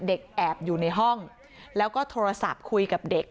แอบอยู่ในห้องแล้วก็โทรศัพท์คุยกับเด็ก